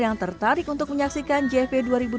yang tertarik untuk menyaksikan jfp dua ribu dua puluh